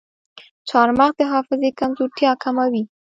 چارمغز د حافظې کمزورتیا کموي.